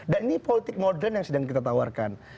dan ini politik modern yang sedang kita tawarkan